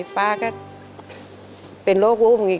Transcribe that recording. ฟ้าก็เป็นโลกวุ่งอย่างนี้